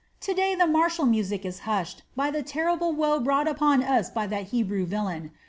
To day the martial music is hushed by the terrible woe brought upon us by that Hebrew villain.